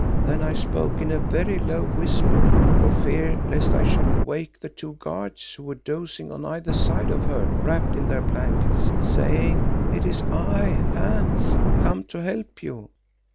Then I spoke in a very low whisper, for fear lest I should wake the two guards who were dozing on either side of her wrapped in their blankets, saying, 'It is I, Hans, come to help you.